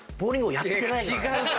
違うって！